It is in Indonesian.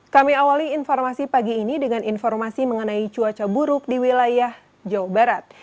kami awali informasi pagi ini dengan informasi mengenai cuaca buruk di wilayah jawa barat